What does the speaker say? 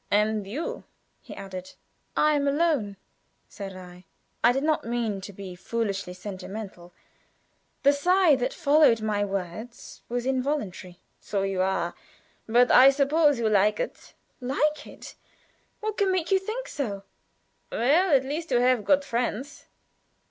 "And you?" he added. "I am alone," said I. I did not mean to be foolishly sentimental. The sigh that followed my words was involuntary. "So you are. But I suppose you like it?" "Like it? What can make you think so?" "Well, at least you have good friends."